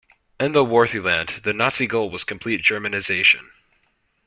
In the "Wartheland", the Nazi goal was complete Germanization.